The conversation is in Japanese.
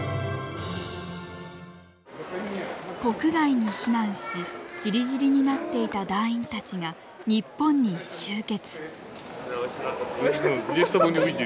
国外に避難しちりぢりになっていた団員たちが日本に集結。